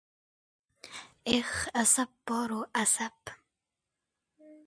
Bir do‘stim giyohvand bo‘lib qoldi.